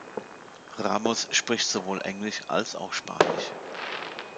Ramos spricht sowohl Englisch als auch Spanisch.